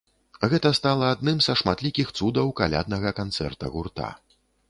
Гэта стала адным са шматлікіх цудаў каляднага канцэрта гурта.